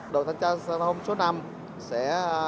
đội thanh tra giao thông số năm sẽ